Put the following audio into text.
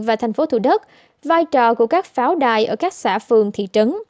và thành phố thủ đức vai trò của các pháo đài ở các xã phường thị trấn